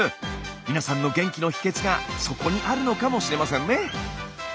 皆さんの元気の秘けつがそこにあるのかもしれませんね！